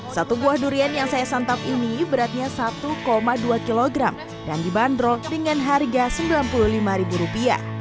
satu buah durian yang saya santap ini beratnya satu dua kg dan dibanderol dengan harga rp sembilan puluh lima